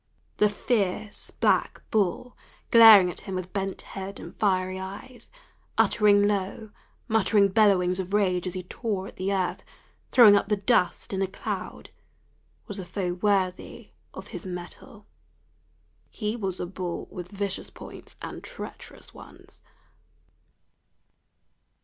The fierce black bull glaring at him with bent head and fiery eyes, uttering low, muttering bellowings of rage as he tore at the earth, throwing up the dust in a cloud, was a foe worthy of his mettle. He was a bull with vicious points and treacherous ones.